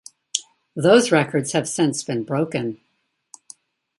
Those records have since been broken.